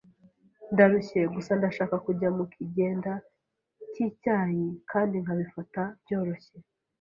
Ndarushye. Gusa ndashaka kujya mukigenda cyicyayi kandi nkabifata byoroshye.